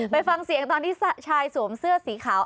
ไปฟังเสียงตอนที่ชายสวมเสื้อสีขาว